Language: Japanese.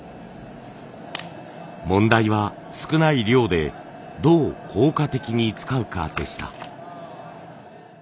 問題は少ない量でどう効果的に使うかでした。